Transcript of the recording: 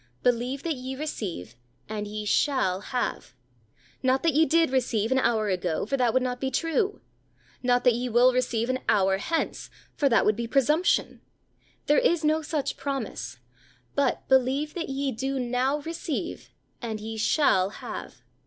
Believe that ye receive, and ye shall have not that ye did receive an hour ago, for that would not be true; not that ye will receive an hour hence, for that would be presumption. There is no such promise, but believe that ye do now receive, and ye shall have.